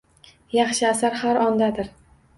Yaxshi asar har ondadir.